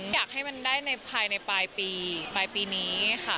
อยากให้มันได้ในภายในปลายปีปลายปีนี้ค่ะ